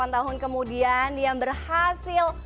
delapan tahun kemudian yang berhasil